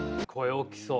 大きそう。